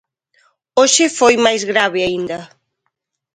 Hoxe foi máis grave aínda.